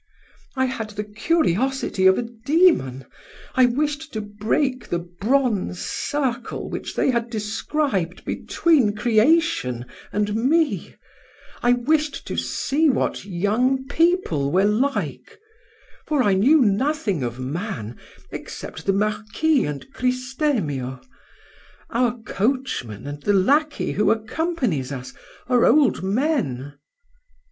I had the curiosity of a demon, I wished to break the bronze circle which they had described between creation and me, I wished to see what young people were like, for I knew nothing of man except the Marquis and Cristemio. Our coachman and the lackey who accompanies us are old men...."